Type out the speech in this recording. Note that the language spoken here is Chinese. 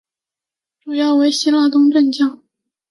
主要为希腊东正教基督徒的贝鲁特家庭的聚居地。